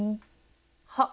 はっ！